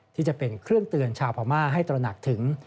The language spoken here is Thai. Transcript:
ที่จะเป็นเครื่องเตือนชาวพม่าให้ตระหนักถึง